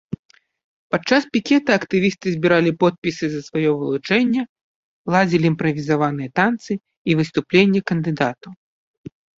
Падчас пікета актывісты збіралі подпісы за сваё вылучэнне, ладзілі імправізаваныя танцы і выступлення кандыдатаў.